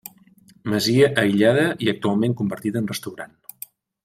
Masia aïllada i actualment convertida en restaurant.